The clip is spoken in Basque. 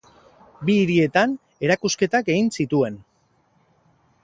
Bi hirietan erakusketak egin zituen.